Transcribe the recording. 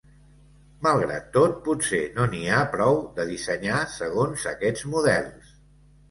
Malgrat tot, potser no n’hi ha prou de dissenyar segons aquests models.